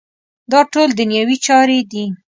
دا ټول دنیوي چارې دي.